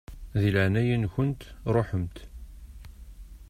Di leɛnaya-nkent ṛuḥemt!